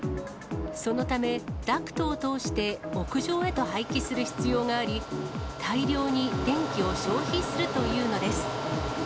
そのため、ダクトを通して屋上へと排気する必要があり、大量に電気を消費するというのです。